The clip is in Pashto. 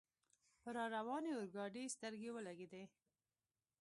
پر را روانې اورګاډي سترګې ولګېدې.